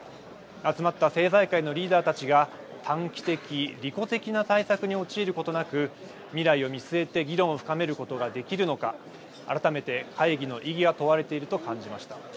集まった政財界のリーダーたちが短期的利己的な対策に陥ることなく未来を見据えて議論を深めることができるのか改めて会議の意義が問われていると感じました。